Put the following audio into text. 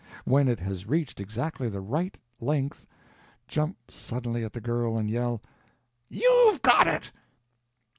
When it has reached exactly the right length, jump suddenly at that girl and yell, "You've got it!")